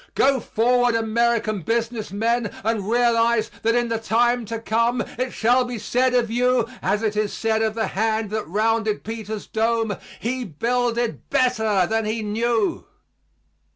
Go forward, American business men, and realize that in the time to come it shall be said of you, as it is said of the hand that rounded Peter's Dome, 'he builded better than he knew.'"